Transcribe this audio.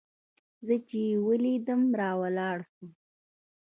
زه چې يې ولېدلم راولاړ سو.